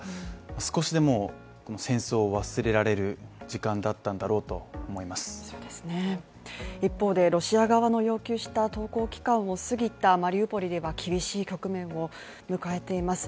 少しでもこの戦争を忘れられる時間だったんだろうと思います一方でロシア側の要求した投降期間を過ぎたマリウポリでは厳しい局面を迎えています。